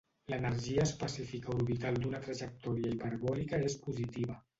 L'energia específica orbital d'una trajectòria hiperbòlica és positiva.